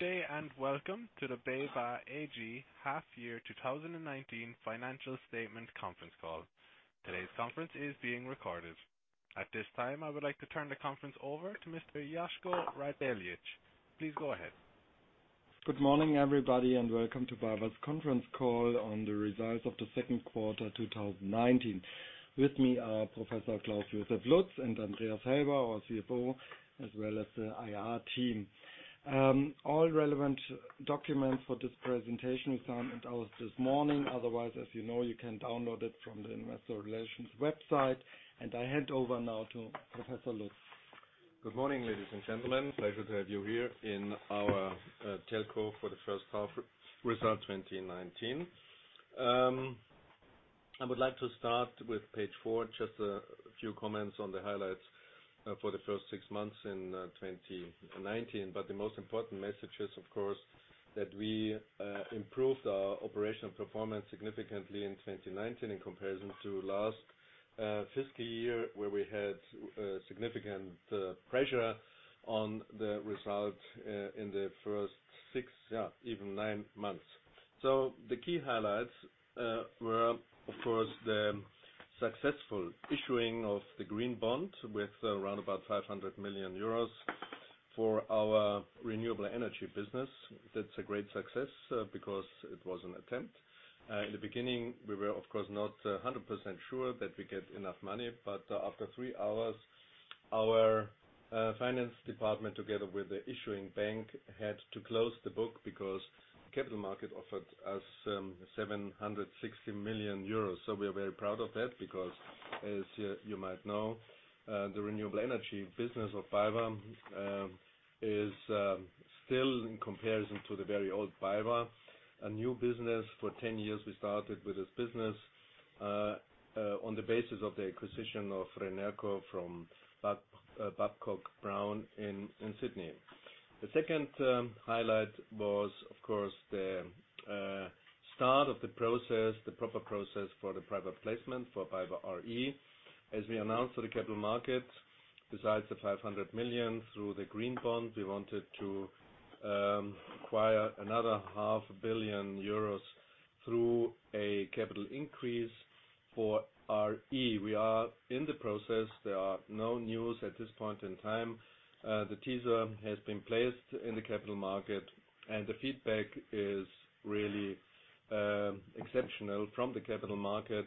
Good day and welcome to the BayWa AG Half-Year 2019 Financial Statement Conference Call. Today's conference is being recorded. At this time, I would like to turn the conference over to Mr. Josko Radeljic. Please go ahead. Good morning, everybody, and welcome to BayWa's conference call on the results of the second quarter 2019. With me are Professor Klaus Josef Lutz and Andreas Helber, our CFO, as well as the IR team. All relevant documents for this presentation were sent out this morning. Otherwise, as you know, you can download it from the investor relations website. I hand over now to Professor Lutz. Good morning, ladies and gentlemen. Pleasure to have you here in our telco for the first half result 2019. I would like to start with page four, just a few comments on the highlights for the first six months in 2019. The most important message is, of course, that we improved our operational performance significantly in 2019 in comparison to last fiscal year, where we had significant pressure on the result in the first six, even nine months. The key highlights were, of course, the successful issuing of the green bond with around about 500 million euros for our renewable energy business. That's a great success because it was an attempt. In the beginning, we were, of course, not 100% sure that we'd get enough money. After three hours, our finance department, together with the issuing bank, had to close the book because capital market offered us 760 million euros. We're very proud of that because, as you might know, the renewable energy business of BayWa is still, in comparison to the very old BayWa, a new business. For 10 years, we started with this business on the basis of the acquisition of Renerco from Babcock & Brown in Sydney. The second highlight was, of course, the start of the process, the proper process for the private placement for BayWa r.e. As we announced to the capital market, besides the 500 million through the green bond, we wanted to acquire another half a billion EUR through a capital increase for r.e. We are in the process. There are no news at this point in time. The teaser has been placed in the capital market. The feedback is really exceptional from the capital market,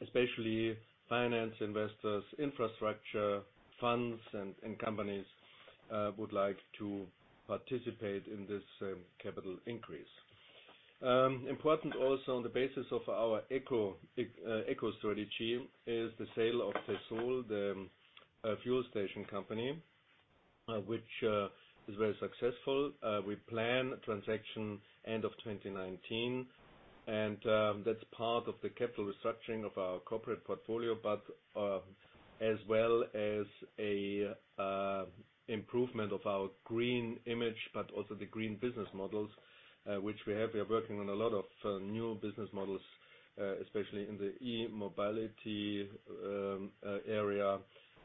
especially finance investors, infrastructure funds, and companies would like to participate in this capital increase. Important also on the basis of our eco strategy is the sale of Tessol, the fuel station company, which is very successful. We plan transaction end of 2019. That's part of the capital restructuring of our corporate portfolio, as well as a improvement of our green image, also the green business models, which we have. We are working on a lot of new business models, especially in the e-mobility area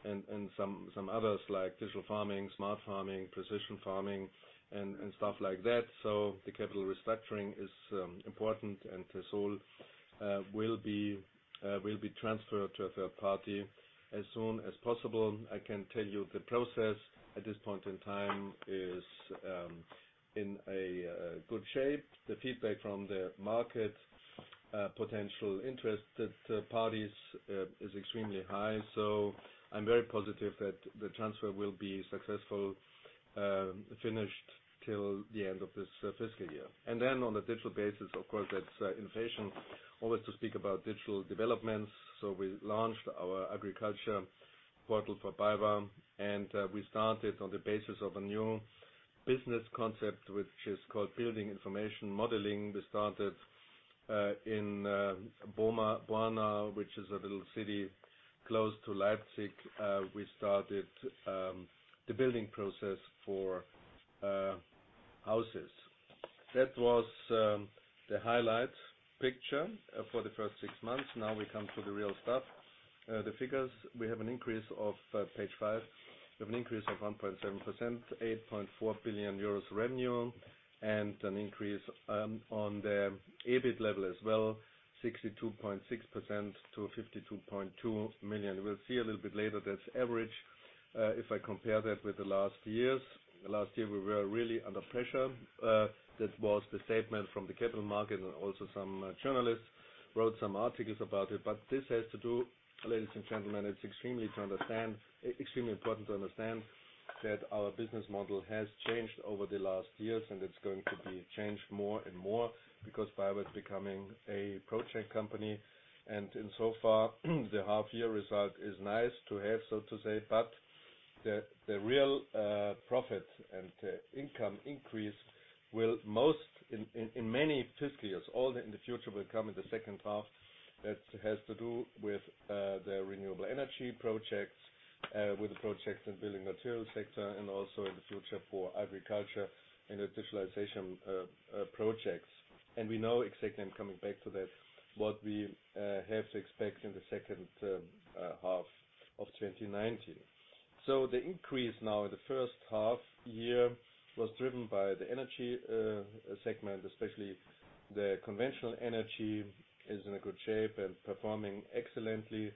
and some others like digital farming, smart farming, precision farming and stuff like that. The capital restructuring is important. Tessol will be transferred to a third party as soon as possible. I can tell you the process at this point in time is in a good shape. The feedback from the market, potential interested parties is extremely high. I'm very positive that the transfer will be successfully finished till the end of this fiscal year. On a digital basis, of course, that's innovation, always to speak about digital developments. We launched our agriculture portal for BayWa, and we started on the basis of a new business concept, which is called Building Information Modeling. We started in Borna, which is a little city close to Leipzig. We started the building process for houses. That was the highlight picture for the first six months. We come to the real stuff. The figures, we have an increase of, page five. We have an increase of 1.7%, 8.4 billion euros revenue and an increase on the EBIT level as well, 62.6% to 52.2 million. We'll see a little bit later, that's average. If I compare that with the last years. Last year, we were really under pressure. That was the statement from the capital market and also some journalists wrote some articles about it. This has to do, ladies and gentlemen, it's extremely important to understand that our business model has changed over the last years, and it's going to be changed more and more because BayWa's becoming a project company. Insofar, the half year result is nice to have, so to say, but the real profit and income increase will, in many fiscal years, all in the future, will come in the second half. That has to do with the renewable energy projects, with the projects in building material sector, also in the future for agriculture and the digitalization projects. We know exactly, I'm coming back to that, what we have to expect in the second half of 2019. The increase now in the first half year was driven by the energy segment, especially the conventional energy is in a good shape and performing excellently.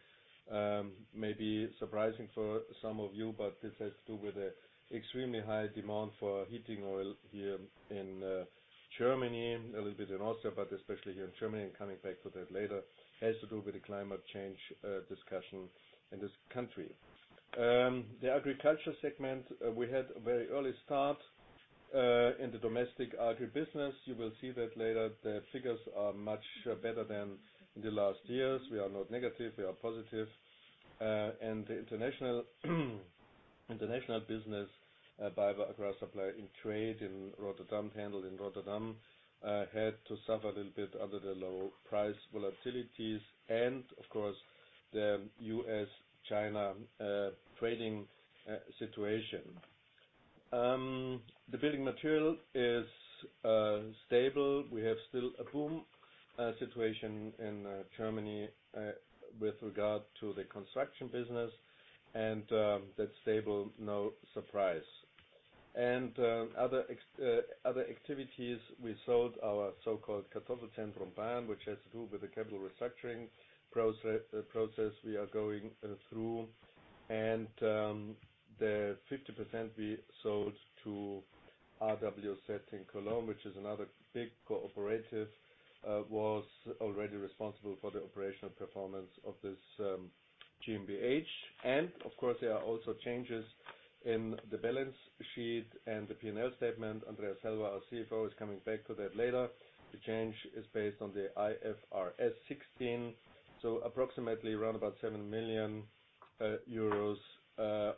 Maybe surprising for some of you, this has to do with the extremely high demand for heating oil here in Germany, a little bit in Austria, but especially here in Germany. I'm coming back to that later. It has to do with the climate change discussion in this country. The agriculture segment, we had a very early start in the domestic agri business. You will see that later. The figures are much better than in the last years. We are not negative, we are positive. The international business, BayWa Agri Supply & Trade handled in Rotterdam, had to suffer a little bit under the low price volatilities and, of course, the U.S.-China trading situation. The building material is stable. We have still a boom situation in Germany with regard to the construction business, and that's stable, no surprise. Other activities, we sold our so-called Kartoffelzentrum Bayern, which has to do with the capital restructuring process we are going through. The 50% we sold to RWZ in Cologne, which is another big cooperative, was already responsible for the operational performance of this GmbH. Of course, there are also changes in the balance sheet and the P&L statement. Andreas Helber, our CFO, is coming back to that later. The change is based on the IFRS 16, so approximately around about 7 million euros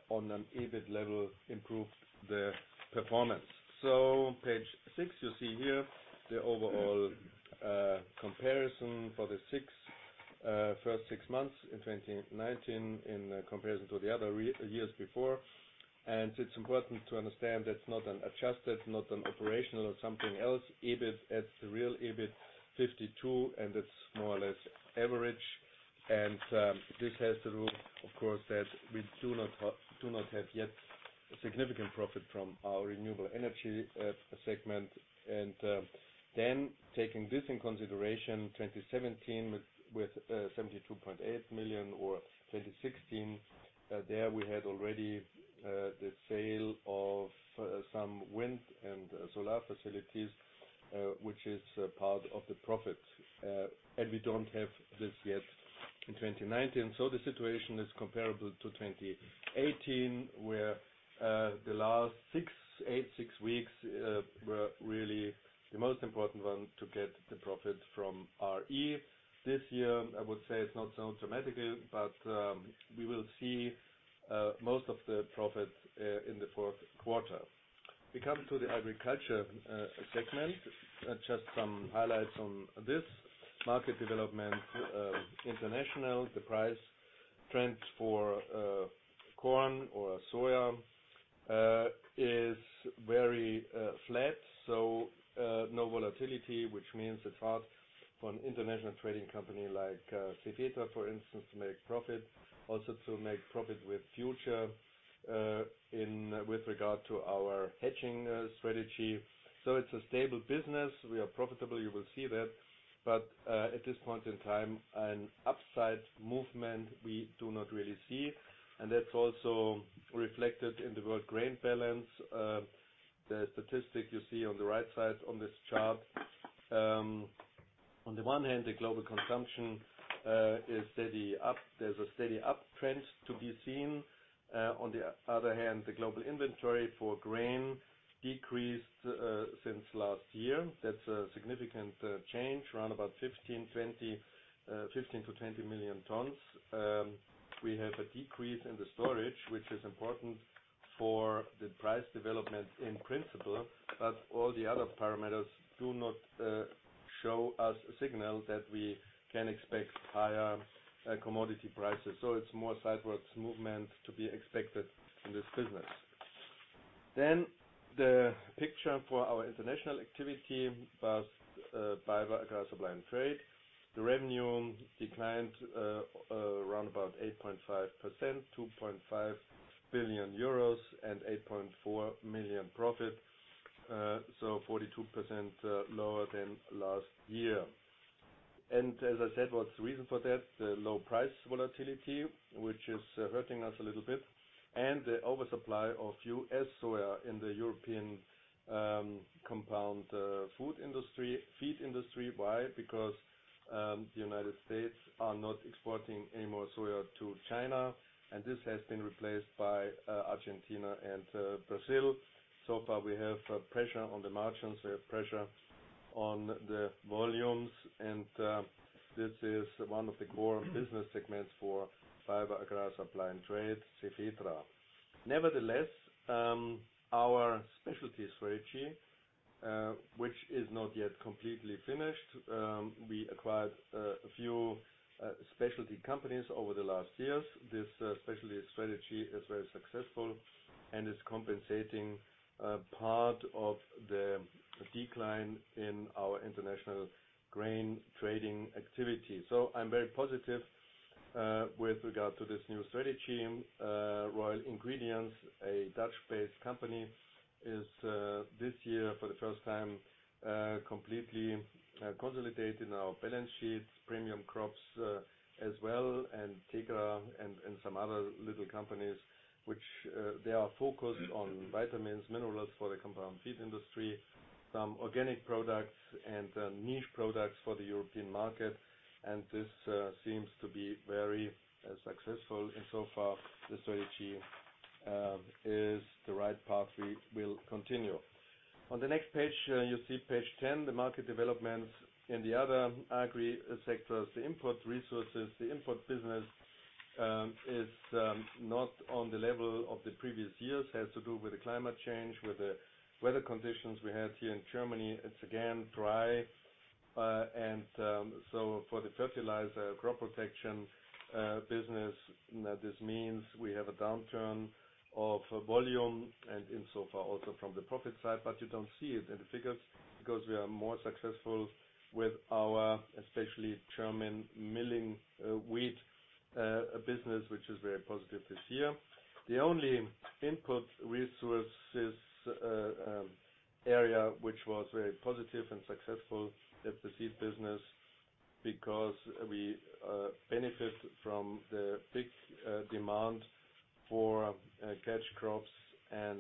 on an EBIT level improved the performance. Page six, you see here the overall comparison for the first six months in 2019 in comparison to the other years before. It's important to understand that's not an adjusted, not an operational or something else. EBIT, that's the real EBIT, 52 million, and it's more or less average. This has to do, of course, that we do not have yet significant profit from our renewable energy segment. Taking this in consideration, 2017 with 72.8 million or 2016, there we had already the sale of some wind and solar facilities, which is part of the profit. We don't have this yet in 2019. The situation is comparable to 2018, where the last six weeks were really the most important one to get the profit from r.e. This year, I would say it's not so dramatic, but we will see most of the profit in the fourth quarter. We come to the agriculture segment. Just some highlights on this. Market development, international, the price trends for corn or soy is very flat, no volatility, which means it's hard for an international trading company like Cefetra, for instance, to make profit, also to make profit with future with regard to our hedging strategy. It's a stable business. We are profitable, you will see that, but at this point in time, an upside movement, we do not really see. That's also reflected in the world grain balance, the statistic you see on the right side on this chart. The global consumption, there's a steady uptrend to be seen. The global inventory for grain decreased since last year. That's a significant change, around about 15 million-20 million tons. We have a decrease in the storage, which is important for the price development in principle, all the other parameters do not show us a signal that we can expect higher commodity prices. It's more sideways movement to be expected in this business. The picture for our international activity, BayWa Agri Supply & Trade. The revenue declined around about 8.5%, 2.5 billion euros and 8.4 million profit, 42% lower than last year. As I said, what's the reason for that? The low price volatility, which is hurting us a little bit, and the oversupply of U.S. soya in the European compound feed industry. Why? The U.S. are not exporting any more soy to China, and this has been replaced by Argentina and Brazil. So far, we have pressure on the margins, we have pressure on the volumes, and this is one of the core business segments for BayWa Agri Supply & Trade, Cefetra. Nevertheless, our specialty strategy, which is not yet completely finished. We acquired a few specialty companies over the last years. This specialty strategy is very successful. It's compensating part of the decline in our international grain trading activity. I'm very positive with regard to this new strategy. Royal Ingredients, a Dutch-based company, is this year, for the first time, completely consolidated in our balance sheets, Premium Crops as well, and Thegra Tracomex and some other little companies. Which they are focused on vitamins, minerals for the compound feed industry, some organic products and niche products for the European market. This seems to be very successful. So far, the strategy is the right path we will continue. On the next page, you see page 10, the market developments in the other agri sectors. The input resources, the input business is not on the level of the previous years, has to do with the climate change, with the weather conditions we had here in Germany. It's again dry. For the fertilizer crop protection business, this means we have a downturn of volume and in so far, also from the profit side. You don't see it in the figures because we are more successful with our, especially German milling wheat business, which is very positive this year. The only input resources area which was very positive and successful is the seed business because we benefit from the big demand for catch crops and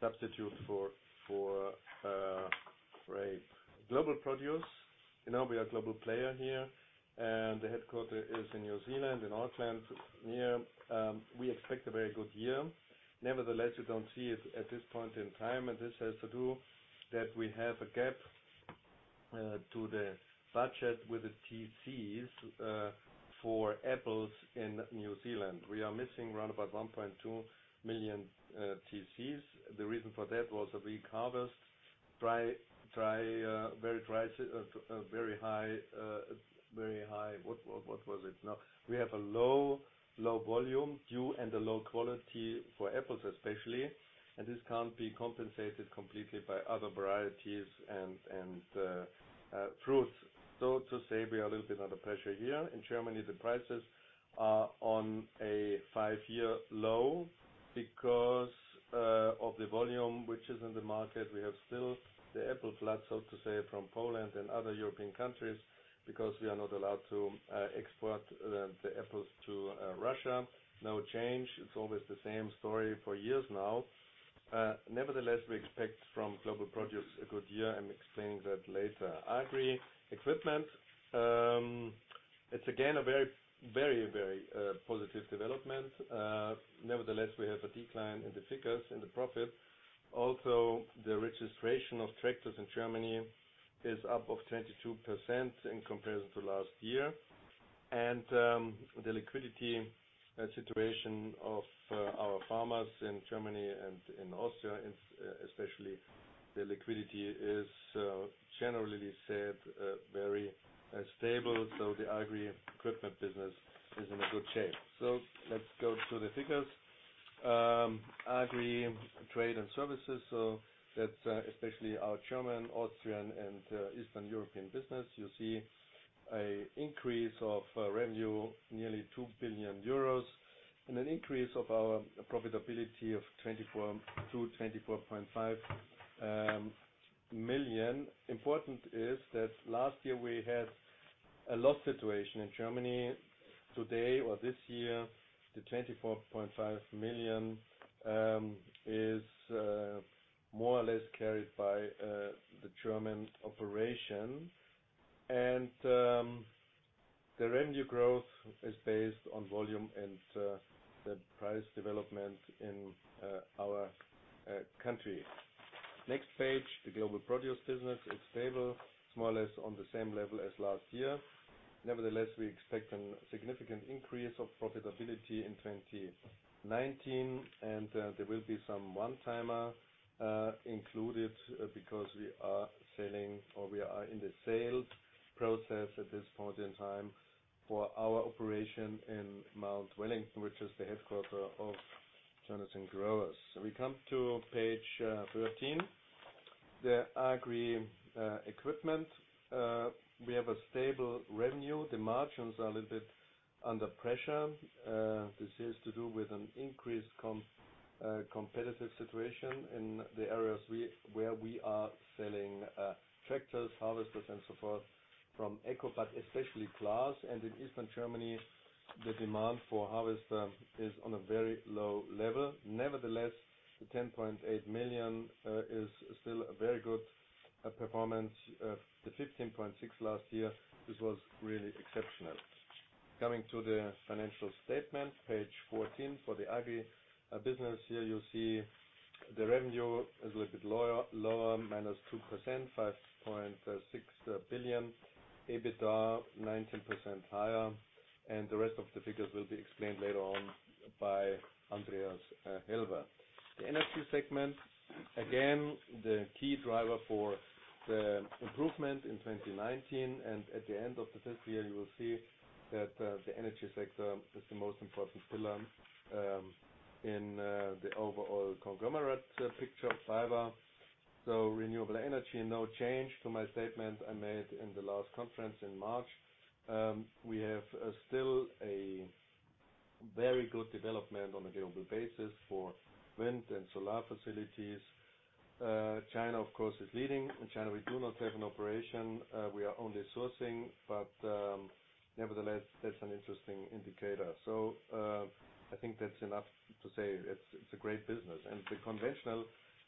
substitute for a global produce. We are a global player here, and the headquarter is in New Zealand, in Auckland. We expect a very good year. Nevertheless, you don't see it at this point in time, and this has to do that we have a gap to the budget with the TCEs for apples in New Zealand. We are missing round about 1.2 million TCEs. The reason for that was a weak harvest. We have a low volume due and a low quality for apples especially, and this can't be compensated completely by other varieties and fruits. To say we are a little bit under pressure here. In Germany, the prices are on a five-year low because of the volume which is in the market. We have still the apple flood, so to say, from Poland and other European countries because we are not allowed to export the apples to Russia. No change, it's always the same story for years now. Nevertheless, we expect from Global Produce a good year and explain that later. Agri equipment. It's again a very positive development. Nevertheless, we have a decline in the figures, in the profit. Also, the registration of tractors in Germany is up of 22% in comparison to last year. The liquidity situation of our farmers in Germany and in Austria, especially the liquidity, is generally said very stable. The agri equipment business is in a good shape. Let's go to the figures. Agri trade and services, that's especially our German, Austrian, and Eastern European business. You see an increase of revenue, nearly 2 billion euros, and an increase of our profitability of 24.2 million, 24.5 million. Important is that last year we had a loss situation in Germany. Today or this year, the 24.5 million is more or less carried by the German operation. The revenue growth is based on volume and the price development in our country. Next page, the Global Produce business is stable, more or less on the same level as last year. Nevertheless, we expect a significant increase of profitability in 2019, there will be some one-timer included because we are selling or we are in the sales process at this point in time for our operation in Mount Wellington, which is the headquarter of Jonathan Growers. We come to page 13. The Agri equipment, we have a stable revenue. The margins are a little bit under pressure. This has to do with an increased competitive situation in the areas where we are selling tractors, harvesters, and so forth from AGCO, but especially CLAAS. In Eastern Germany, the demand for harvester is on a very low level. Nevertheless, the 10.8 million is still a very good performance. The 15.6 million last year,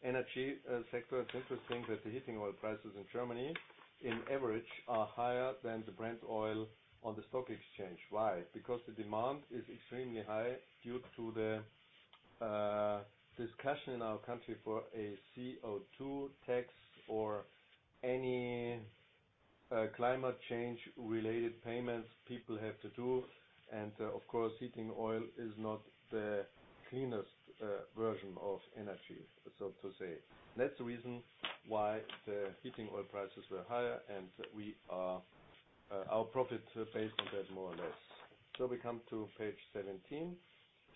energy sector, it's interesting that the heating oil prices in Germany, in average, are higher than the Brent oil on the stock exchange. Why? Because the demand is extremely high due to the discussion in our country for a CO2 tax or any climate change-related payments people have to do. Of course, heating oil is not the cleanest version of energy, so to say. That's the reason why the heating oil prices were higher, and our profit based on that, more or less. We come to page 17.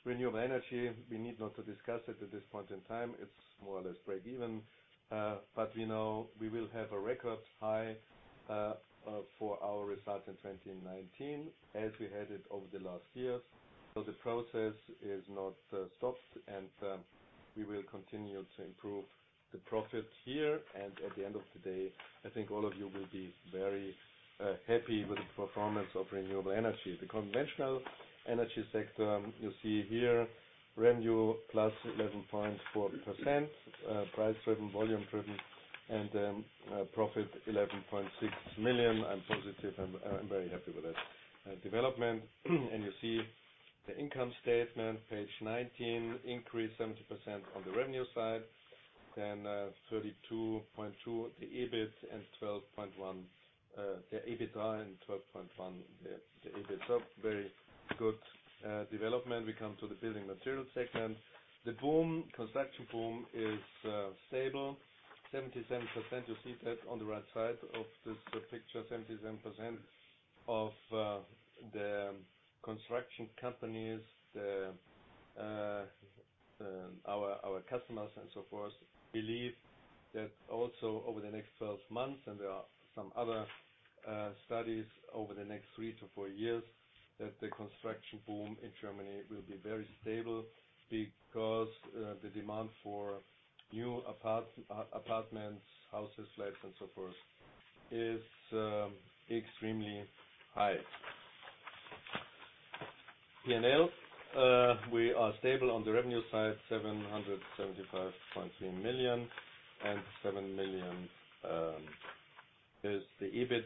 Renewable energy, we need not to discuss it at this point in time. It's more or less break even. We know we will have a record high for our results in 2019, as we had it over the last years. The process is not stopped, and we will continue to improve the profit here. At the end of the day, I think all of you will be very happy with the performance of renewable energy. The conventional energy sector, you see here, revenue plus 11.4%, price-driven, volume-driven, and then profit 11.6 million. I'm positive. I'm very happy with that development. You see the income statement, page 19, increase 70% on the revenue side, then 32.2 the EBITDA and 12.1 the EBIT, so very good development. We come to the building materials segment. The construction boom is stable, 77%. You see that on the right side of this picture, 77% of the construction companies, our customers and so forth, believe that also over the next 12 months, and there are some other studies over the next three to four years, that the construction boom in Germany will be very stable because the demand for new apartments, houses, flats, and so forth is extremely high. P&L, we are stable on the revenue side, 775.3 million and seven million is the EBIT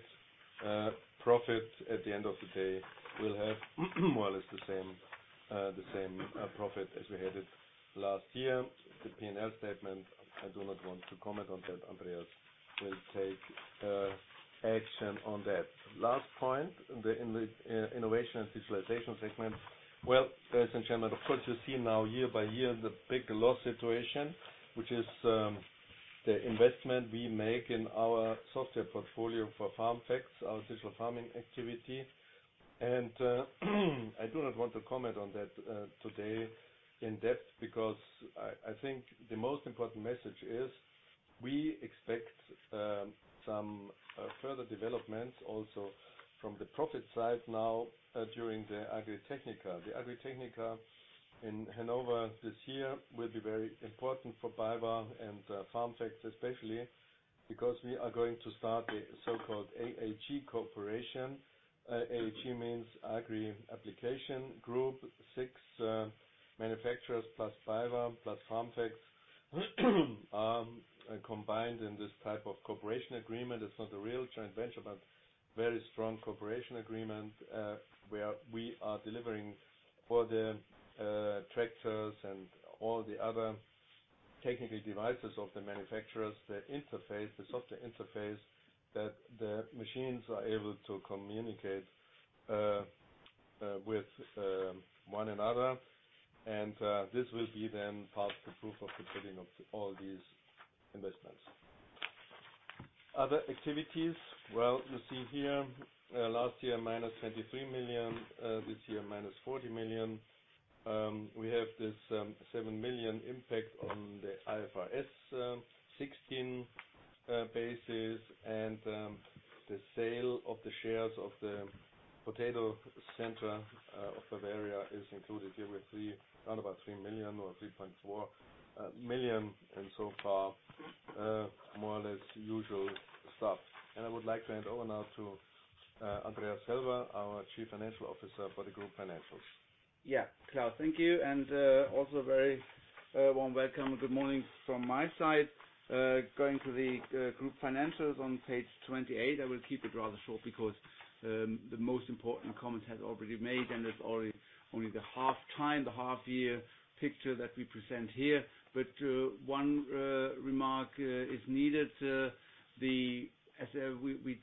profit. At the end of the day, we'll have more or less the same profit as we had it last year. The P&L statement, I do not want to comment on that. Andreas will take action on that. Last point, the innovation and digitalization segment. Well, ladies and gentlemen, of course, you see now year by year the big loss situation, which is the investment we make in our software portfolio for FarmFacts, our digital farming activity. I do not want to comment on that today in depth because I think the most important message is we expect some further developments also from the profit side now during the Agritechnica. The Agritechnica in Hanover this year will be very important for BayWa and FarmFacts, especially because we are going to start a so-called AAG cooperation. AAG means Agri Application Group. Six manufacturers plus BayWa, plus FarmFacts are combined in this type of cooperation agreement. It's not a real joint venture, but very strong cooperation agreement, where we are delivering for the tractors and all the other technical devices of the manufacturers, the interface, the software interface, that the machines are able to communicate with one another. This will be then part of the proof of the pudding of all these investments. Other activities. Well, you see here, last year, minus 23 million. This year, minus 40 million. We have this 7 million impact on the IFRS 16 basis, and the sale of the shares of the Potato Center of Bavaria is included here with around about 3 million or 3.4 million. So far, more or less usual stuff. I would like to hand over now to Andreas Helber, our Chief Financial Officer for the group financials. Yeah. Klaus, thank you. Also a very warm welcome and good morning from my side. Going to the group financials on page 28. I will keep it rather short because the most important comments have already made, and it's only the half time, the half year picture that we present here. One remark is needed. We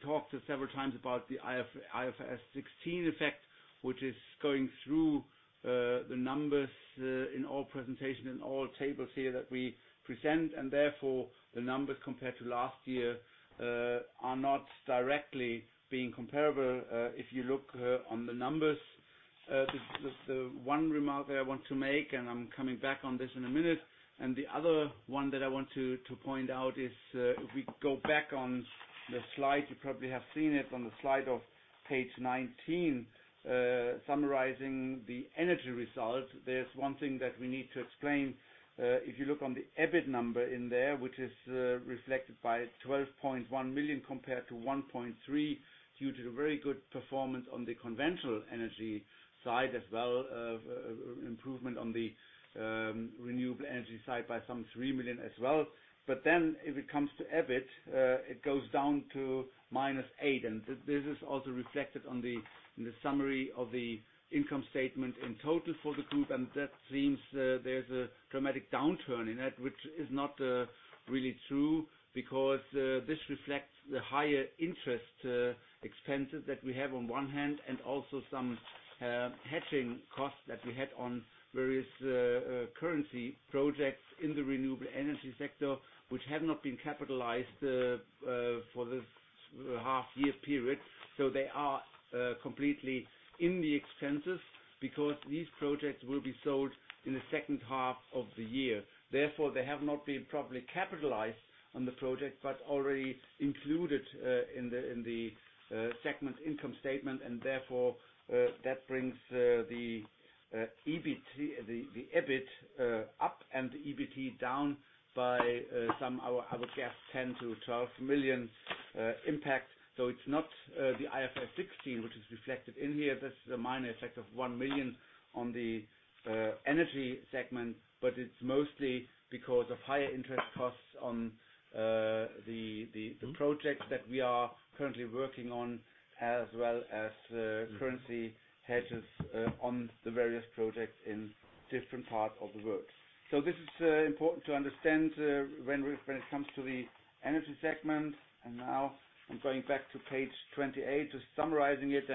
talked several times about the IFRS 16 effect, which is going through the numbers in all presentations, in all tables here that we present, and therefore the numbers compared to last year are not directly being comparable if you look on the numbers. Just one remark that I want to make, and I'm coming back on this in a minute. The other one that I want to point out is, if we go back on the slide, you probably have seen it on the slide of page 19, summarizing the energy result. There's one thing that we need to explain. If you look on the EBIT number in there, which is reflected by 12.1 million compared to 1.3 million, due to the very good performance on the conventional energy side as well, improvement on the renewable energy side by some 3 million as well. If it comes to EBIT, it goes down to minus 8 million. This is also reflected in the summary of the income statement in total for the group. That seems there's a dramatic downturn in it, which is not really true, because this reflects the higher interest expenses that we have on one hand, and also some hedging costs that we had on various currency projects in the renewable energy sector, which have not been capitalized for this half year period. They are completely in the expenses because these projects will be sold in the second half of the year. Therefore, they have not been properly capitalized on the project, but already included in the segment income statement, and therefore, that brings the EBIT up and the EBT down by some, I would guess, 10 million-12 million impact. It's not the IFRS 16 which is reflected in here. That's a minor effect of 1 million on the energy segment, but it's mostly because of higher interest costs on the projects that we are currently working on, as well as currency hedges on the various projects in different parts of the world. This is important to understand when it comes to the energy segment. Now I'm going back to page 28, just summarizing it.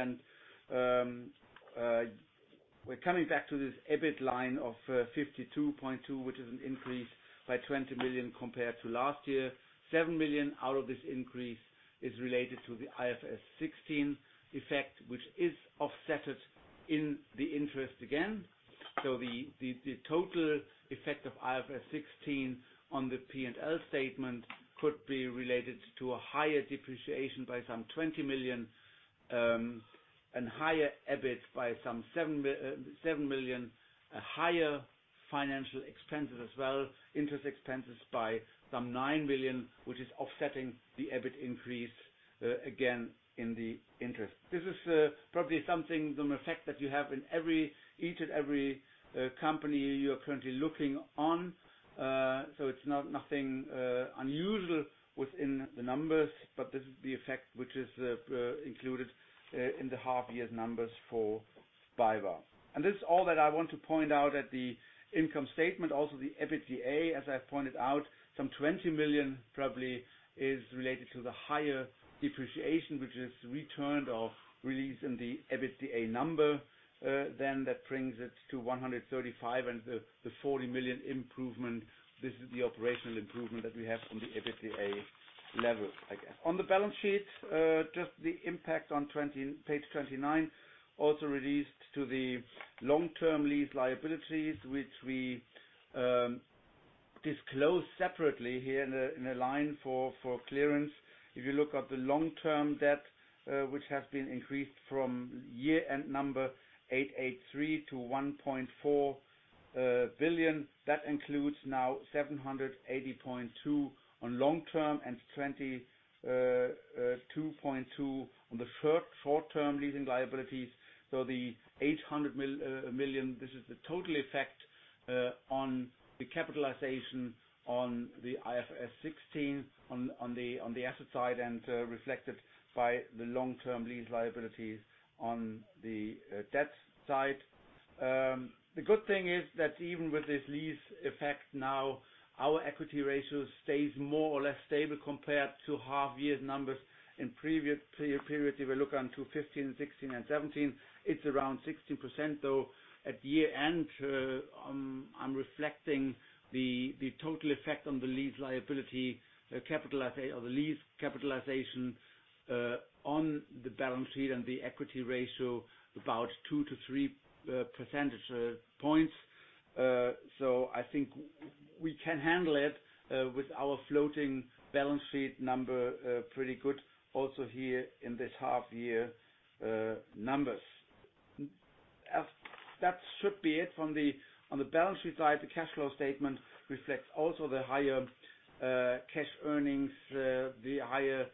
We're coming back to this EBIT line of 52.2, which is an increase by 20 million compared to last year. 7 million out of this increase is related to the IFRS 16 effect, which is offsetted in the interest again. The total effect of IFRS 16 on the P&L statement could be related to a higher depreciation by some 20 million, and higher EBIT by some 7 million. A higher financial expenses as well, interest expenses by some 9 million, which is offsetting the EBIT increase again in the interest. This is probably something, the effect that you have in each and every company you are currently looking on. It's nothing unusual within the numbers, but this is the effect which is included in the half year numbers for BayWa. This is all that I want to point out at the income statement. The EBITDA, as I pointed out, some 20 million probably is related to the higher depreciation, which is returned or released in the EBITDA number. That brings it to 135 million and the 40 million improvement. This is the operational improvement that we have on the EBITDA level, I guess. On the balance sheet, just the impact on page 29 also released to the long-term lease liabilities, which we disclosed separately here in a line for clearance. If you look at the long-term debt, which has been increased from year-end number 883 million to 1.4 billion, that includes now 780.2 million on long-term and 22.2 million on the short-term leasing liabilities. The 800 million, this is the total effect on the capitalization on the IFRS 16 on the asset side and reflected by the long-term lease liabilities on the debt side. The good thing is that even with this lease effect now, our equity ratio stays more or less stable compared to half year numbers in previous periods. If you look on to 2015, 2016, and 2017, it's around 16%. At year-end, I'm reflecting the total effect on the lease liability capitalization or the lease capitalization on the balance sheet and the equity ratio about two to three percentage points. I think we can handle it with our floating balance sheet number pretty good also here in this half year numbers. That should be it. On the balance sheet side, the cash flow statement reflects also the higher cash earnings, the higher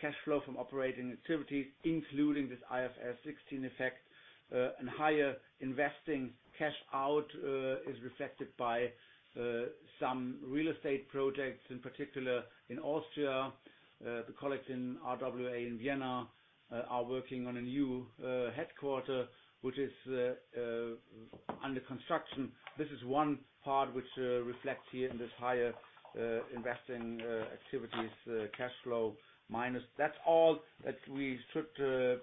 cash flow from operating activities, including this IFRS 16 effect. Higher investing cash out is reflected by some real estate projects, in particular in Austria. The colleagues in RWA in Vienna are working on a new headquarter, which is. Under construction. This is one part which reflects here in this higher investing activities cash flow minus. That's all that we should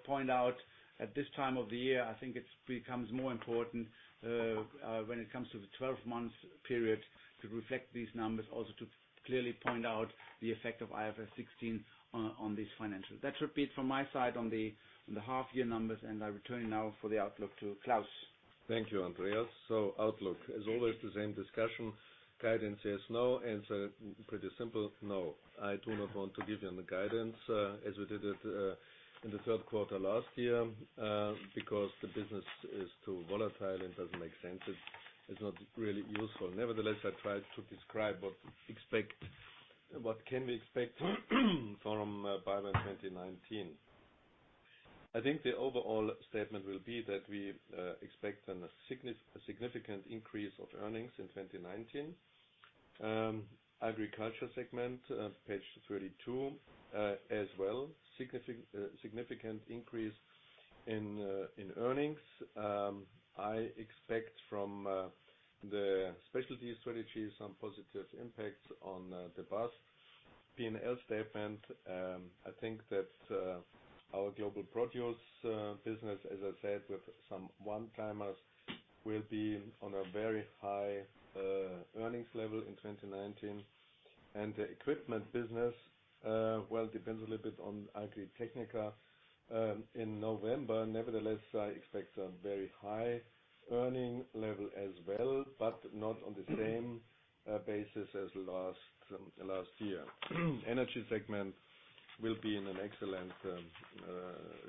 point out at this time of the year. I think it becomes more important when it comes to the 12 months period to reflect these numbers, also to clearly point out the effect of IFRS 16 on these financials. That's repeat from my side on the half year numbers, I return now for the outlook to Klaus. Thank you, Andreas. Outlook. As always, the same discussion. Guidance says no. Answer, pretty simple, no. I do not want to give you any guidance as we did it in the third quarter last year, because the business is too volatile and doesn't make sense. It's not really useful. Nevertheless, I tried to describe what can we expect from BayWa 2019. I think the overall statement will be that we expect a significant increase of earnings in 2019. Agriculture segment, page 32, as well, significant increase in earnings. I expect from the specialty strategy some positive impacts on the business P&L statement. I think that our Global Produce business, as I said, with some one-timers, will be on a very high earnings level in 2019. The equipment business, well, depends a little bit on Agritechnica in November. Nevertheless, I expect a very high earning level as well, but not on the same basis as last year. Energy segment will be in an excellent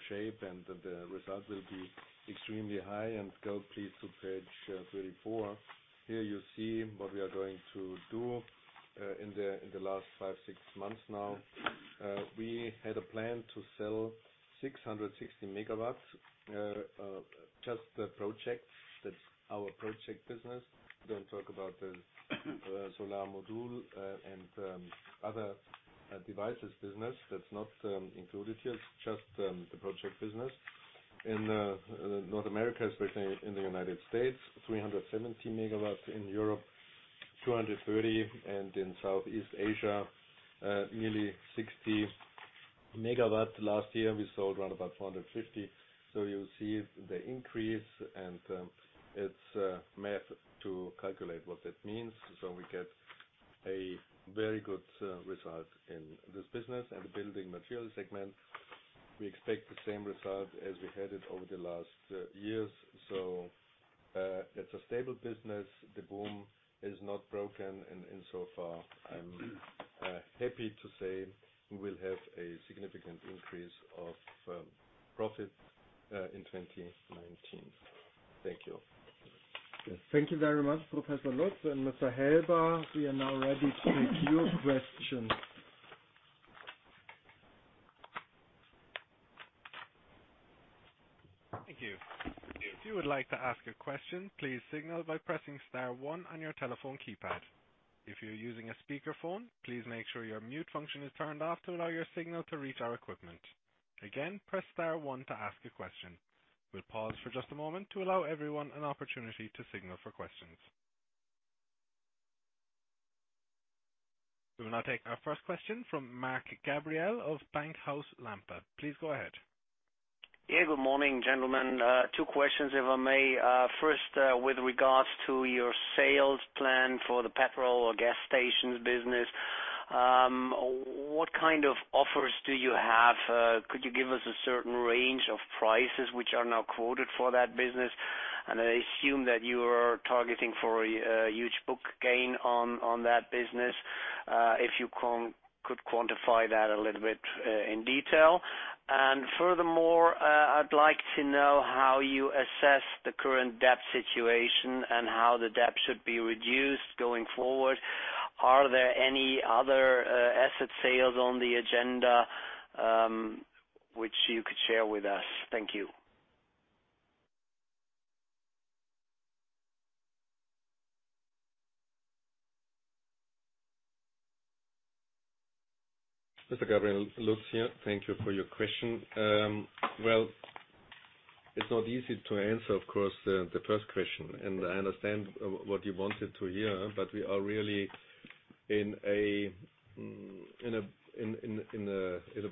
shape, and the result will be extremely high. Go please to page 34. Here you see what we are going to do in the last five, six months now. We had a plan to sell 660 megawatts, just the projects. That's our project business. Don't talk about the solar module and other devices business. That's not included here. It's just the project business. In North America, especially in the United States, 370 megawatts, in Europe, 230, and in Southeast Asia, nearly 60 megawatts. Last year, we sold around about 450. You see the increase, and it's math to calculate what that means. We get a very good result in this business. The building material segment, we expect the same result as we had it over the last years. It's a stable business. The boom is not broken, and insofar, I'm happy to say we will have a significant increase of profit in 2019. Thank you. Yes. Thank you very much, Professor Lutz and Mr. Helber. We are now ready to take your questions. Thank you. If you would like to ask a question, please signal by pressing star one on your telephone keypad. If you're using a speakerphone, please make sure your mute function is turned off to allow your signal to reach our equipment. Again, press star one to ask a question. We'll pause for just a moment to allow everyone an opportunity to signal for questions. We will now take our first question from Mark Gabriel of Bankhaus Lampe. Please go ahead. Yeah. Good morning, gentlemen. Two questions, if I may. First, with regards to your sales plan for the petrol or gas stations business, what kind of offers do you have? Could you give us a certain range of prices which are now quoted for that business? I assume that you are targeting for a huge book gain on that business. If you could quantify that a little bit in detail. Furthermore, I'd like to know how you assess the current debt situation and how the debt should be reduced going forward. Are there any other asset sales on the agenda, which you could share with us? Thank you. Mr. Gabriel, Lutz here. Thank you for your question. It's not easy to answer, of course, the first question. I understand what you wanted to hear. We are really in a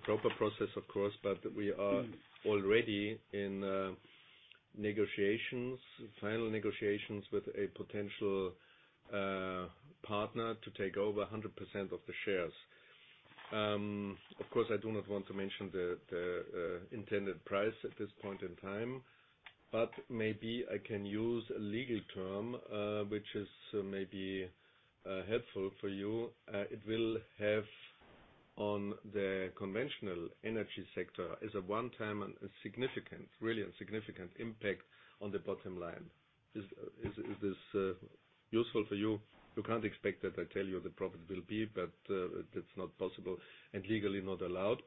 proper process, of course. We are already in final negotiations with a potential partner to take over 100% of the shares. I do not want to mention the intended price at this point in time. Maybe I can use a legal term, which is maybe helpful for you. It will have on the conventional energy sector is a one-time and really a significant impact on the bottom line. Is this useful for you? You can't expect that I tell you the profit will be. That's not possible and legally not allowed.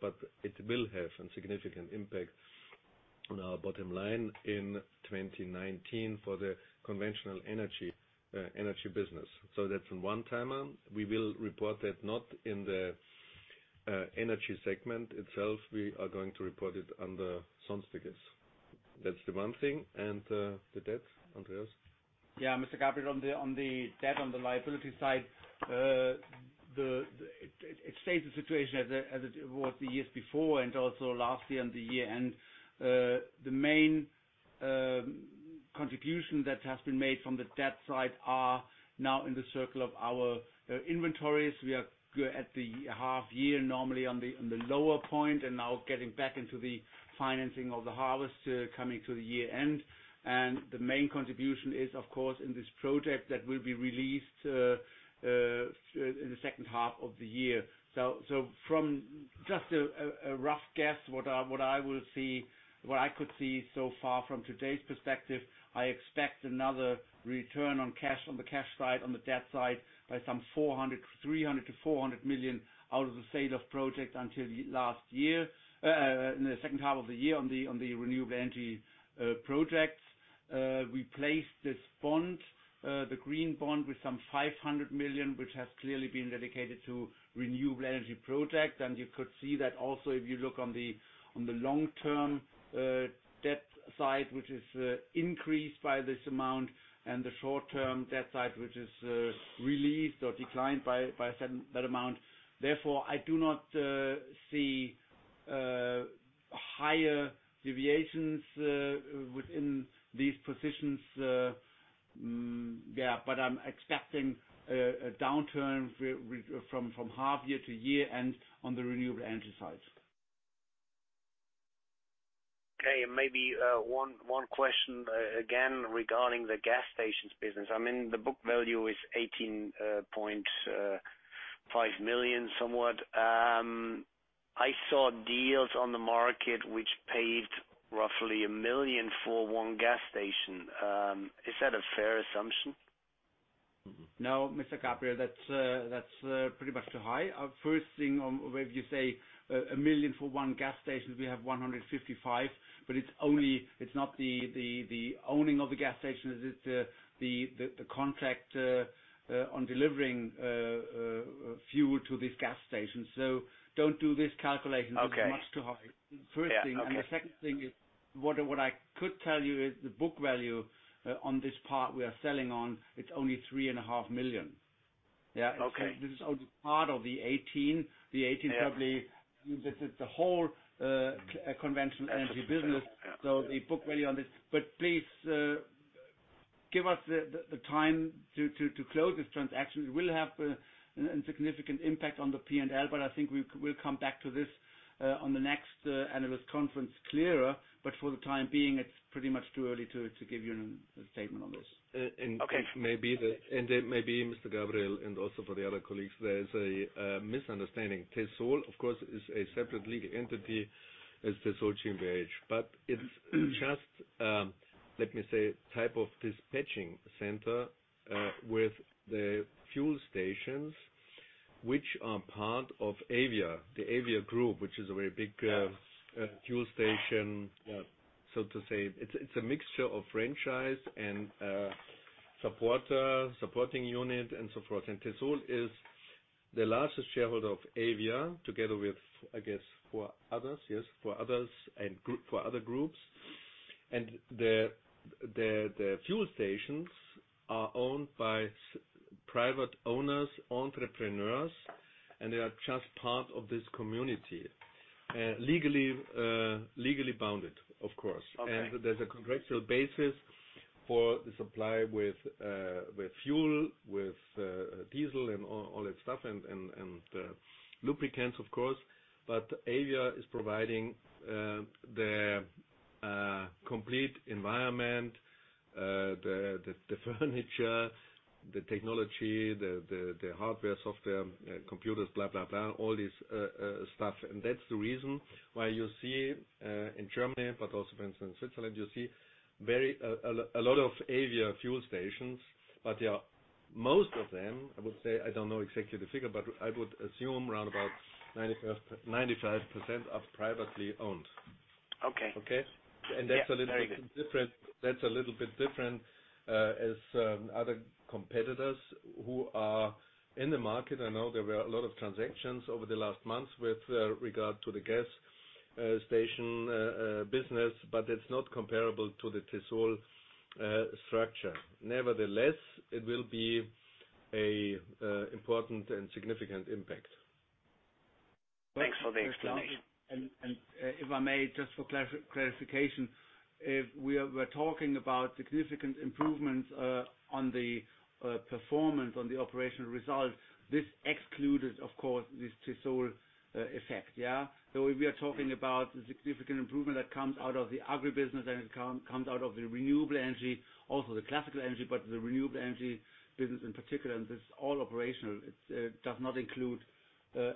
It will have a significant impact on our bottom line in 2019 for the conventional energy business. That's a one-timer. We will report that not in the Energy segment itself, we are going to report it under Sonstiges. That's the one thing. The debt, Andreas? Mr. Gabriel, on the debt, on the liability side, it stays the situation as it was the years before and also last year and the year-end. The main contribution that has been made from the debt side are now in the circle of our inventories. We are at the half-year, normally on the lower point, and now getting back into the financing of the harvest coming to the year-end. The main contribution is, of course, in this project that will be released in the second half of the year. From just a rough guess, what I could see so far from today's perspective, I expect another return on the cash side, on the debt side, by some 300 million to 400 million out of the sale of project until in the second half of the year on the renewable energy projects. We placed this bond, the green bond, with some 500 million, which has clearly been dedicated to renewable energy projects. You could see that also if you look on the long-term debt side, which is increased by this amount, and the short-term debt side, which is released or declined by that amount. Therefore, I do not see higher deviations within these positions. I'm expecting a downturn from half year to year-end on the renewable energy side. Okay. Maybe one question again regarding the gas stations business. I mean, the book value is 18.5 million, somewhat. I saw deals on the market which paid roughly 1 million for one gas station. Is that a fair assumption? No, Mr. Gabriel, that's pretty much too high. First thing, when you say 1 million for one gas station, we have 155. It's not the owning of the gas station, it is the contract on delivering fuel to this gas station. Don't do this calculation. Okay it's much too high. Yeah, okay. First thing. The second thing is, what I could tell you is the book value on this part we are selling on, it's only three and a half million. Yeah. Okay. This is only part of the 18. Yeah. The 18 probably, this is the whole conventional energy business. The book value on this. Please give us the time to close this transaction. It will have a significant impact on the P&L. I think we'll come back to this on the next analyst conference clearer. For the time being, it's pretty much too early to give you a statement on this. Okay. Maybe, Mr. Gabriel, and also for the other colleagues, there is a misunderstanding. Tessol, of course, is a separate legal entity as Tessol GmbH. It's just, let me say, type of dispatching center with the fuel stations, which are part of AVIA, the AVIA group, which is a very big. Yes fuel station, so to say. It's a mixture of franchise and supporting unit and so forth. Tessol is the largest shareholder of AVIA, together with, I guess, four others, yes? Four others and four other groups. The fuel stations are owned by private owners, entrepreneurs, and they are just part of this community, legally bounded, of course. Okay. There's a contractual basis for the supply with fuel, with diesel and all that stuff and the lubricants, of course. AVIA is providing the complete environment, the furniture, the technology, the hardware, software, computers, blah, blah, all this stuff. That's the reason why you see in Germany, but also for instance, in Switzerland, you see a lot of AVIA fuel stations. Most of them, I would say, I don't know exactly the figure, but I would assume around about 95% are privately owned. Okay. Okay? Yeah, very good. That's a little bit different as other competitors who are in the market. I know there were a lot of transactions over the last months with regard to the gas station business, but it's not comparable to the Tessol structure. Nevertheless, it will be a important and significant impact. Thanks for the explanation. If I may, just for clarification, if we are talking about significant improvements on the performance on the operational result, this excludes, of course, this Tessol effect. If we are talking about the significant improvement that comes out of the agribusiness and it comes out of the renewable energy, also the classical energy, but the renewable energy business in particular, and this is all operational, it does not include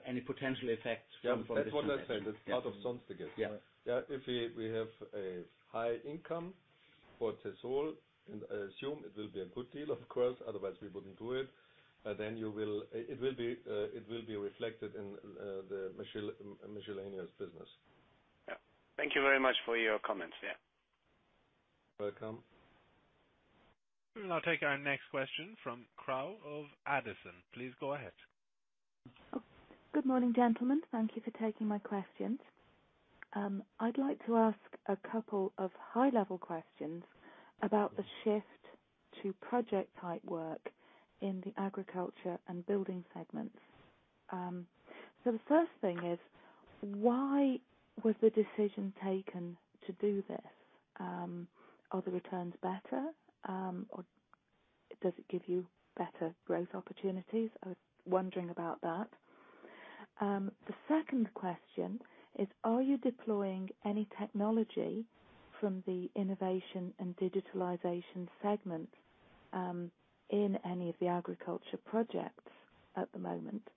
any potential effect from. Yeah, that's what I said. That's part of Sonstiges. Yeah. Yeah. If we have a high income for Tessol, and I assume it will be a good deal, of course, otherwise we wouldn't do it. It will be reflected in the miscellaneous business. Yeah. Thank you very much for your comments. Yeah. You're welcome. We will now take our next question from Crow of Edison. Please go ahead. Good morning, gentlemen. Thank you for taking my questions. I'd like to ask a couple of high-level questions about the shift to project-type work in the agriculture and building segments. The first thing is, why was the decision taken to do this? Are the returns better? Does it give you better growth opportunities? I was wondering about that. The second question is, are you deploying any technology from the innovation and digitalization segments, in any of the agriculture projects at the moment?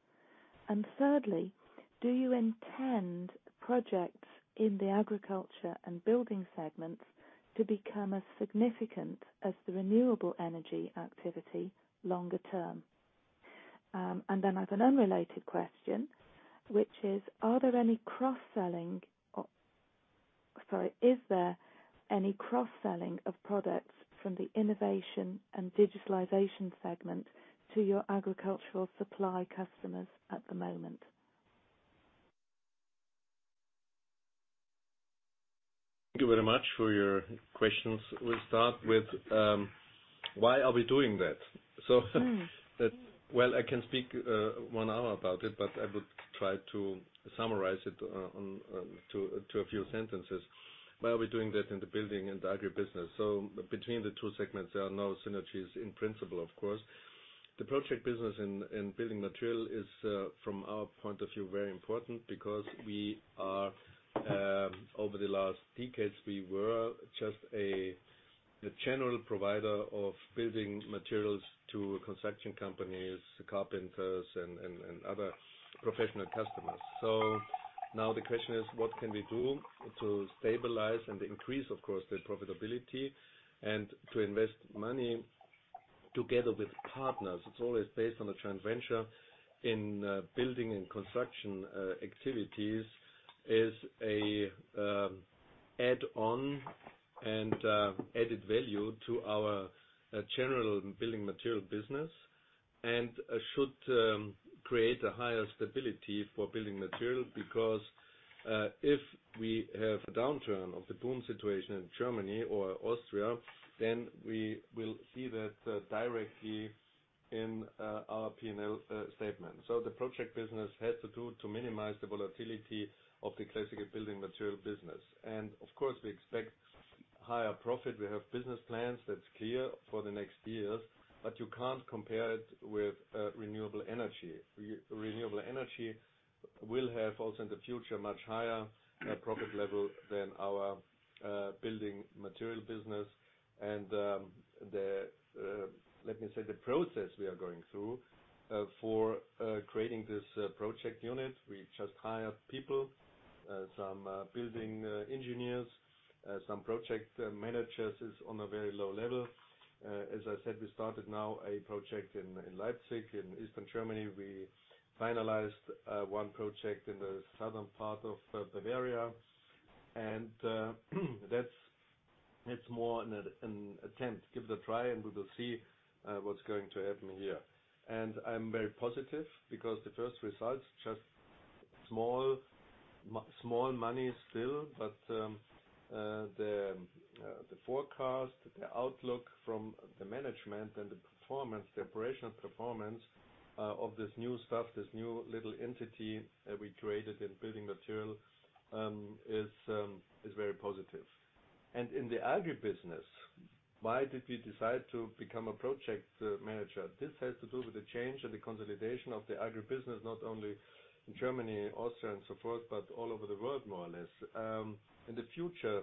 Thirdly, do you intend projects in the agriculture and building segments to become as significant as the renewable energy activity longer term? As an unrelated question, which is there any cross-selling of products from the innovation and digitalization segment to your agricultural supply customers at the moment? Thank you very much for your questions. We'll start with why are we doing that? Well, I can speak one hour about it, but I would try to summarize it to a few sentences. Why are we doing that in the building and the agribusiness? Between the two segments, there are no synergies in principle, of course. The project business in building material is, from our point of view, very important because over the last decades, we were just a general provider of building materials to construction companies, carpenters, and other professional customers. Now the question is what can we do to stabilize and increase, of course, the profitability and to invest money together with partners. It's always based on a joint venture in building and construction activities is an add-on and added value to our general building material business and should create a higher stability for building material because, if we have a downturn of the boom situation in Germany or Austria, then we will see that directly in our P&L statement. The project business has to do to minimize the volatility of the classical building material business. Of course, we expect higher profit. We have business plans that's clear for the next years, but you can't compare it with renewable energy. Renewable energy will have also in the future much higher profit levels than our building material business. Let me say, the process we are going through for creating this project unit, we just hired people, some building engineers, some project managers, is on a very low level. As I said, we started now a project in Leipzig in Eastern Germany. We finalized one project in the southern part of Bavaria. That's more an attempt. Give it a try, and we will see what's going to happen here. I'm very positive because the first results, just small money still, but the forecast, the outlook from the management and the performance, the operational performance of this new stuff, this new little entity that we created in building material, is very positive. In the agribusiness, why did we decide to become a project manager? This has to do with the change and the consolidation of the agribusiness, not only in Germany, Austria, and so forth, but all over the world, more or less. In the future,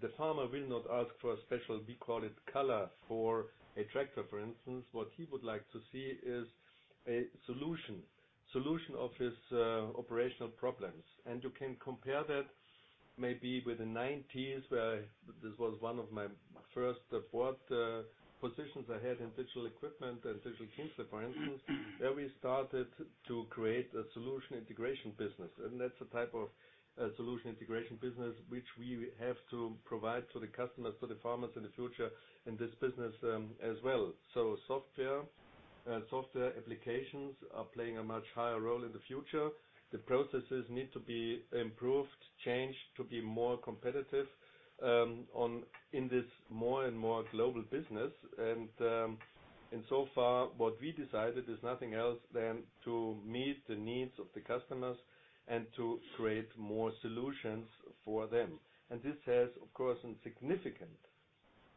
the farmer will not ask for a special, we call it color for a tractor, for instance. What he would like to see is a solution of his operational problems. You can compare that maybe with the '90s, where this was one of my first support positions I had in Digital Equipment and Nixdorf, for instance. There we started to create a solution integration business, and that's the type of solution integration business which we have to provide to the customers, to the farmers in the future in this business, as well. Software applications are playing a much higher role in the future. The processes need to be improved, changed to be more competitive in this more and more global business. So far what we decided is nothing else than to meet the needs of the customers and to create more solutions for them. This has, of course, a significant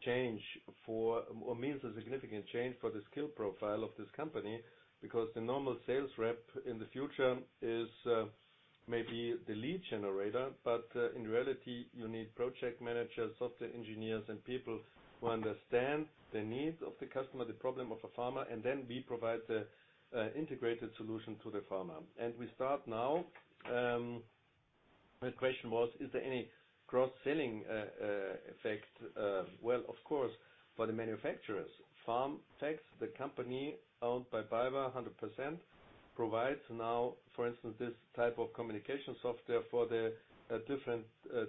change or means a significant change for the skill profile of this company because the normal sales rep in the future is maybe the lead generator. In reality, you need project managers, software engineers, and people who understand the needs of the customer, the problem of a farmer, and then we provide the integrated solution to the farmer. We start now. The question was, is there any cross-selling effect? Well, of course, for the manufacturers. FarmFacts, the company owned by BayWa 100%, provides now, for instance, this type of communication software for the different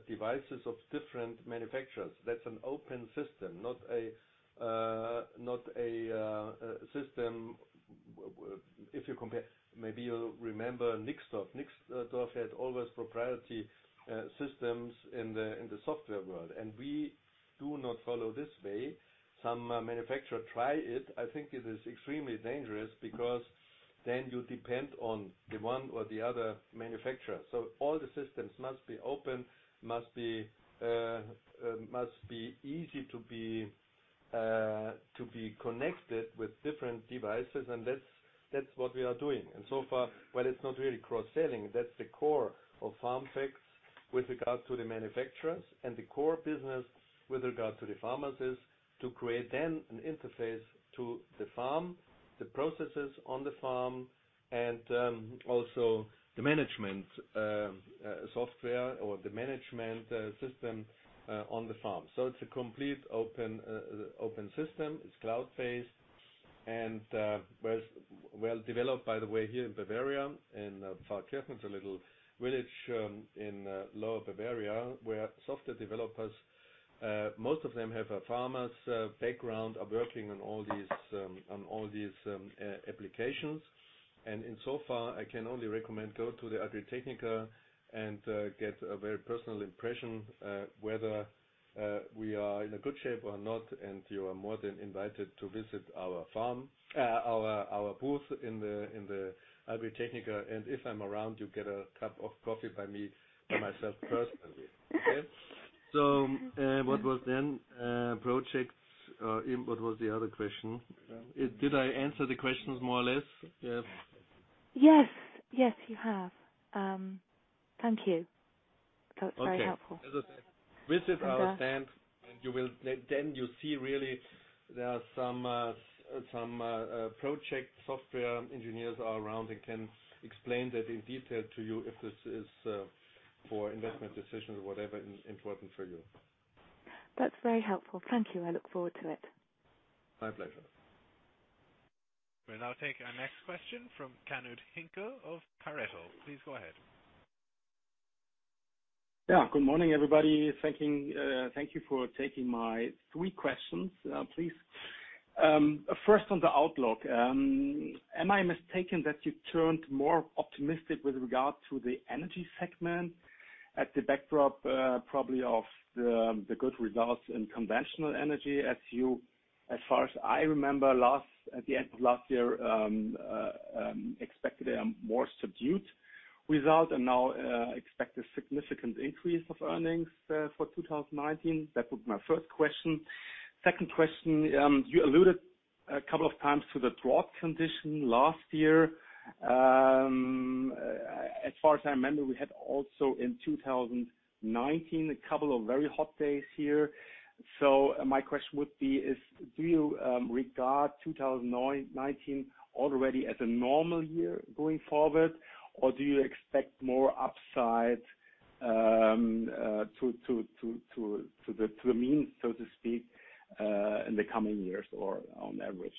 devices of different manufacturers. That's an open system, not a system. If you compare, maybe you remember Nixdorf. Nixdorf had always proprietary systems in the software world. We do not follow this way. Some manufacturer try it. I think it is extremely dangerous, because then you depend on the one or the other manufacturer. All the systems must be open, must be easy to be connected with different devices, and that's what we are doing. So far, while it's not really cross-selling, that's the core of FarmFacts with regard to the manufacturers and the core business with regard to the farmers is to create then an interface to the farm, the processes on the farm, and also the management software or the management system on the farm. It's a complete open system. It's cloud-based and well developed, by the way, here in Bavaria, in Pfarrkirchen. It's a little village in lower Bavaria where software developers, most of them have a farmer's background, are working on all these applications. Insofar, I can only recommend go to the Agritechnica and get a very personal impression whether we are in a good shape or not, and you are more than invited to visit our booth in the Agritechnica. If I'm around, you get a cup of coffee by me, by myself personally. Okay? What was the other question? Did I answer the questions more or less? Yes. Yes. Yes, you have. Thank you. That's very helpful. Okay. As I said, visit our stand and then you see really there are some project software engineers are around and can explain that in detail to you if this is for investment decisions or whatever important for you. That's very helpful. Thank you. I look forward to it. My pleasure. We'll now take our next question from Knud Hinkel of Pareto. Please go ahead. Good morning, everybody. Thank you for taking my three questions, please. First on the outlook. Am I mistaken that you've turned more optimistic with regard to the energy segment at the backdrop, probably of the good results in conventional energy as you, as far as I remember, at the end of last year, expected a more subdued result and now expect a significant increase of earnings for 2019? That was my first question. Second question, you alluded a couple of times to the drought condition last year. As far as I remember, we had also in 2019, a couple of very hot days here. My question would be, do you regard 2019 already as a normal year going forward, or do you expect more upside to the means, so to speak, in the coming years or on average?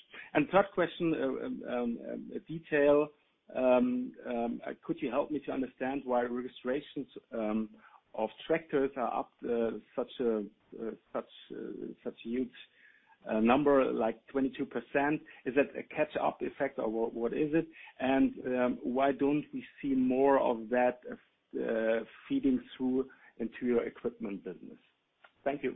Third question, a detail. Could you help me to understand why registrations of tractors are up such a huge number, like 22%? Is that a catch-up effect or what is it? Why don't we see more of that feeding through into your equipment business? Thank you.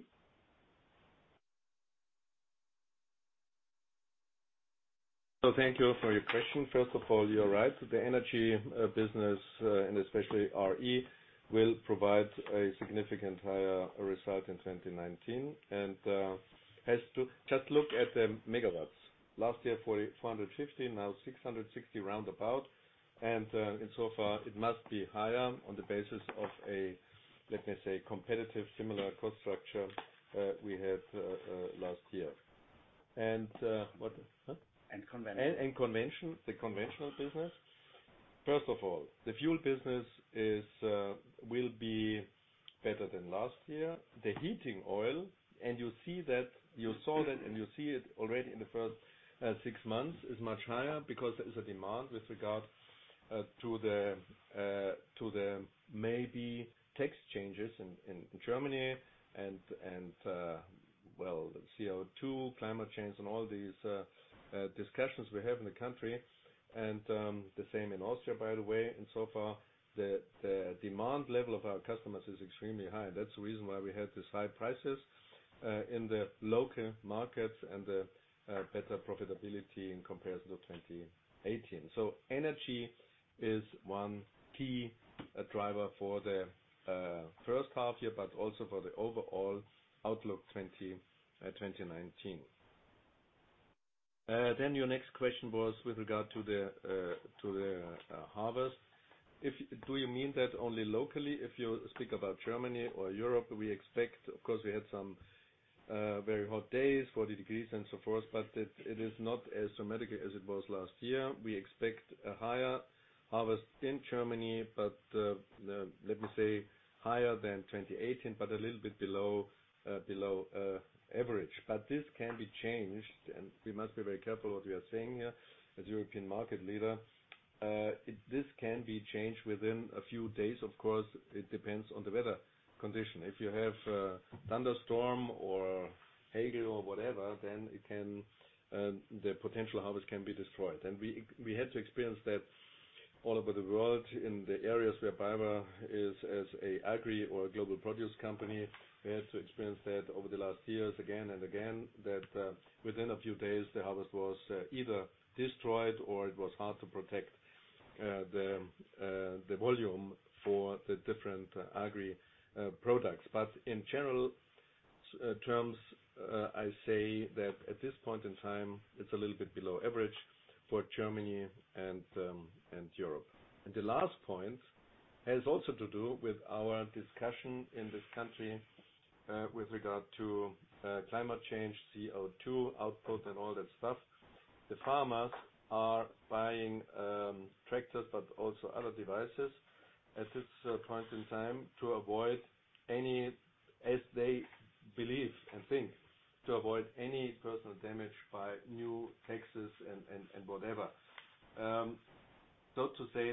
Thank you for your question. First of all, you're right. The energy business, and especially RE, will provide a significant higher result in 2019. Just look at the megawatts. Last year, 450, now 660 roundabout. Insofar, it must be higher on the basis of a, let me say, competitive, similar cost structure we had last year. What? Huh? Conventional. The conventional business. First of all, the fuel business will be better than last year. The heating oil, and you saw that and you see it already in the first six months is much higher because there is a demand with regard to the maybe tax changes in Germany and, well, CO2, climate change, and all these discussions we have in the country, and the same in Austria, by the way. So far, the demand level of our customers is extremely high. That's the reason why we had these high prices in the local markets and the better profitability in comparison to 2018. Energy is one key driver for the first half year, but also for the overall outlook 2019. Your next question was with regard to the harvest. Do you mean that only locally? If you speak about Germany or Europe, we expect-- Of course, we had some very hot days, 40 degrees and so forth, but it is not as dramatic as it was last year. We expect a higher harvest in Germany, but let me say higher than 2018, but a little bit below average. This can be changed, and we must be very careful what we are saying here as European market leader. This can be changed within a few days. Of course, it depends on the weather condition. If you have thunderstorm or hail or whatever, then the potential harvest can be destroyed. We had to experience that all over the world in the areas where BayWa is as a agri or a BayWa Global Produce company. We had to experience that over the last years again and again, that within a few days, the harvest was either destroyed or it was hard to protect the volume for the different agri products. In general terms, I say that at this point in time, it's a little bit below average for Germany and Europe. The last point has also to do with our discussion in this country, with regard to climate change, CO2 output and all that stuff. The farmers are buying tractors, but also other devices at this point in time, as they believe and think, to avoid any personal damage by new taxes and whatever. To say,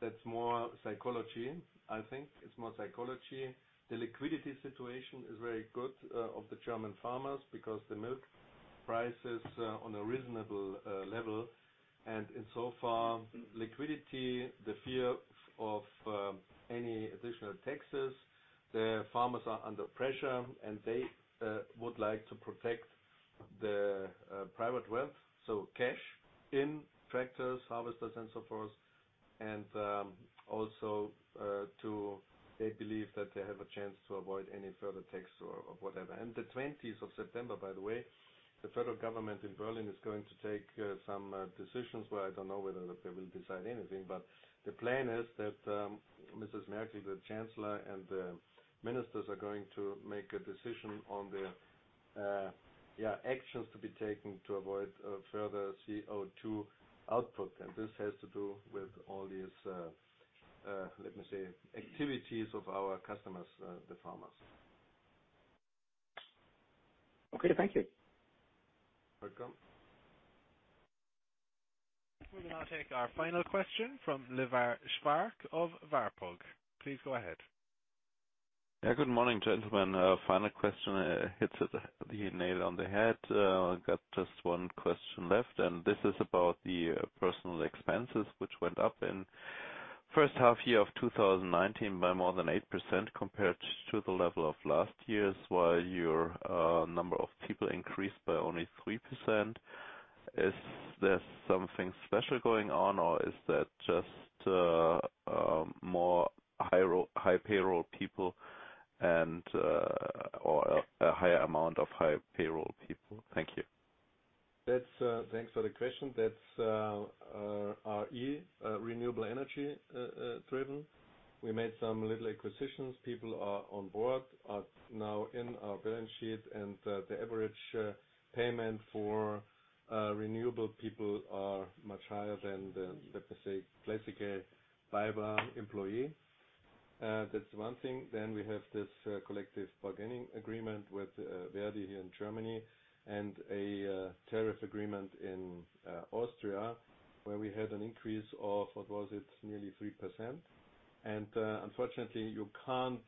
that's more psychology. I think it's more psychology. The liquidity situation is very good of the German farmers because the milk price is on a reasonable level. Insofar, liquidity, the fear of any additional taxes, the farmers are under pressure, and they would like to protect their private wealth, so cash in tractors, harvesters, and so forth. Also, they believe that they have a chance to avoid any further tax or whatever. The 20th of September, by the way, the Federal Government in Berlin is going to take some decisions. I don't know whether they will decide anything. The plan is that Mrs. Merkel, the Chancellor, and the ministers are going to make a decision on the actions to be taken to avoid further CO2 output. This has to do with all these, let me say, activities of our customers, the farmers. Okay. Thank you. Welcome. We will now take our final question from Livar Schwark of Warburg. Please go ahead. Good morning, gentlemen. Final question hits the nail on the head. I have just one question left. This is about the personal expenses, which went up in first half year of 2019 by more than 8% compared to the level of last year's, while your number of people increased by only 3%. Is there something special going on, or is that just more high payroll people or a higher amount of high payroll people? Thank you. Thanks for the question. That's our EBIT, renewable energy driven. We made some little acquisitions. People are on board, are now in our balance sheet and the average payment for renewable people are much higher than, let me say, classic BayWa employee. That's one thing. We have this collective bargaining agreement with Verdi here in Germany and a tariff agreement in Austria where we had an increase of, what was it? Nearly 3%. Unfortunately, you can't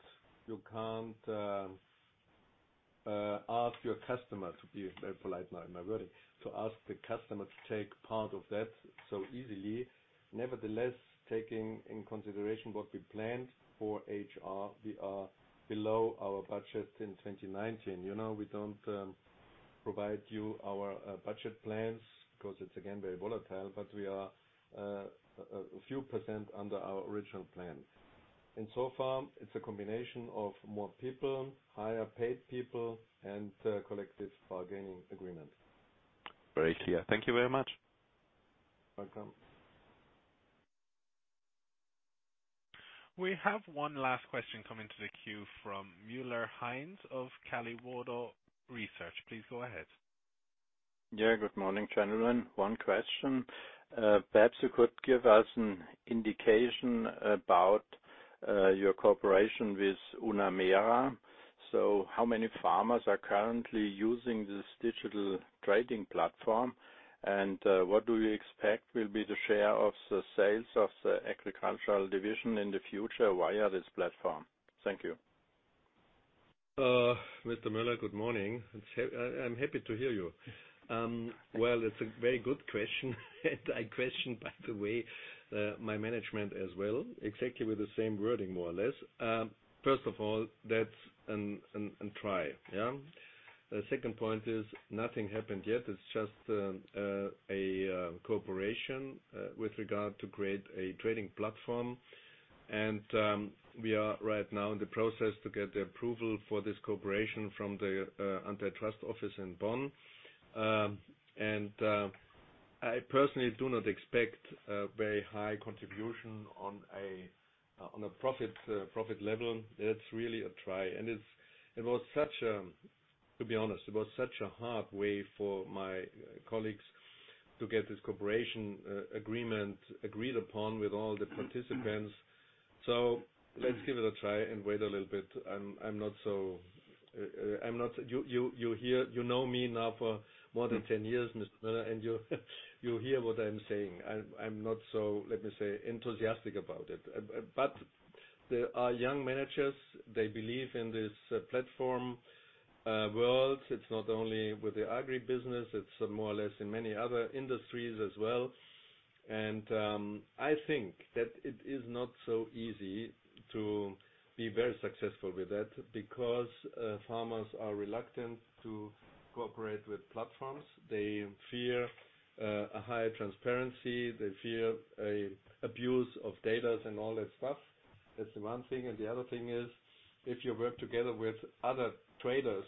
ask your customer, to be very polite in my wording, to ask the customer to take part of that so easily. Nevertheless, taking in consideration what we planned for HR, we are below our budget in 2019. We don't provide you our budget plans because it's again very volatile, but we are a few % under our original plans. In so far, it's a combination of more people, higher-paid people, and collective bargaining agreements. Very clear. Thank you very much. Welcome. We have one last question coming to the queue from Heinz Müller of Caliwado Research. Please go ahead. Yeah, good morning, gentlemen. One question. Perhaps you could give us an indication about your cooperation with Unamera. How many farmers are currently using this digital trading platform, and what do you expect will be the share of the sales of the agricultural division in the future via this platform? Thank you. Mr. Mueller, good morning. I'm happy to hear you. Well, it's a very good question and I question, by the way, my management as well, exactly with the same wording, more or less. First of all, that's an try. Yeah. Second point is nothing happened yet. It's just a cooperation with regard to create a trading platform, and we are right now in the process to get the approval for this cooperation from the antitrust office in Bonn. I personally do not expect a very high contribution on a profit level. It's really a try. To be honest, it was such a hard way for my colleagues to get this cooperation agreement agreed upon with all the participants. Let's give it a try and wait a little bit. You know me now for more than 10 years, Mr. Mueller, and you hear what I'm saying. I'm not so, let me say, enthusiastic about it. There are young managers, they believe in this platform world. It's not only with the agri-business, it's more or less in many other industries as well. I think that it is not so easy to be very successful with that because farmers are reluctant to cooperate with platforms. They fear a higher transparency. They fear abuse of data and all that stuff. That's the one thing, and the other thing is, if you work together with other traders,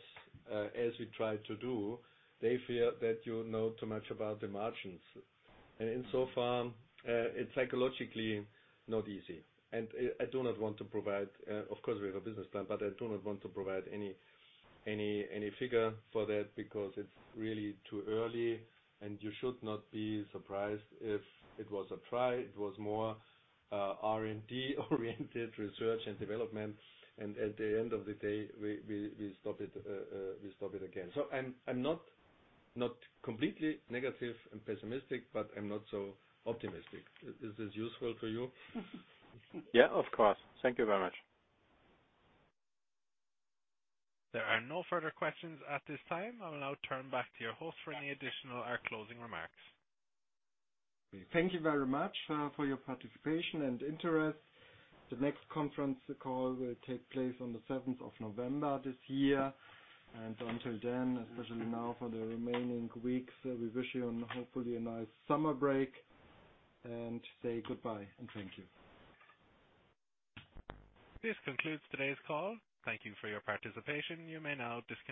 as we try to do, they fear that you know too much about the margins. In so far, it's psychologically not easy. I do not want to provide, of course, we have a business plan, but I do not want to provide any figure for that because it's really too early. You should not be surprised if it was a try, it was more R&D-oriented, research and development, and at the end of the day, we stop it again. I'm not completely negative and pessimistic, but I'm not so optimistic. Is this useful to you? Yeah, of course. Thank you very much. There are no further questions at this time. I will now turn back to your host for any additional or closing remarks. Thank you very much for your participation and interest. The next conference call will take place on the 7th of November this year. Until then, especially now for the remaining weeks, we wish you hopefully a nice summer break and say goodbye and thank you. This concludes today's call. Thank you for your participation. You may now disconnect.